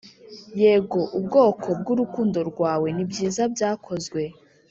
yego, ubwoko bwurukundo rwawe nibyiza byakozwe